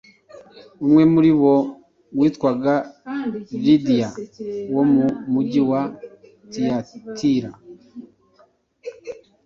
Umwe muri bo witwaga Lidiya wo mu mugi wa Tiyatira,